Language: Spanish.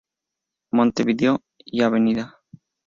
Montevideo y Av.